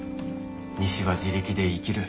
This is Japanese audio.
西は自力で生きる。